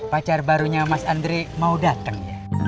pacar barunya mas andre mau datang